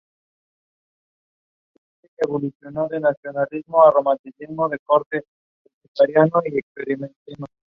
Es un jardín de recreación destinado al paseo y al reposo.